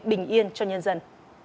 bình yên cho nhân dân